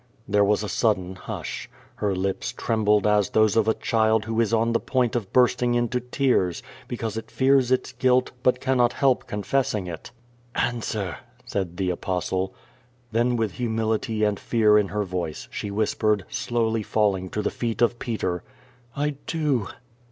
There was a sudden hush. Her lips trembled as those of a child who is on the point of bursting into tears, because it fears its guilt, but cannot help confessing it. "Answer,^' said the Apostle. Then with humility and fear in her voice, she whispered: slowly falling to the feet of Peter: "I do."